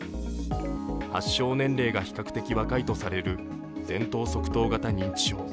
発症年齢が比較的若いとされる前頭側頭型認知症。